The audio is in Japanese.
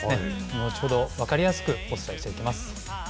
後ほど分かりやすくお伝えしていきます。